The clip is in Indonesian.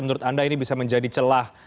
menurut anda ini bisa menjadi celah